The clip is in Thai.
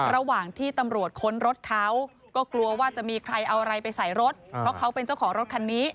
ระหว่างที่ตำรวจค้นรถเขาก็กลัวว่าจะมีใครเอาอะไรไปใส่รถเพราะเขาเป็นเจ้าของรถคันนี้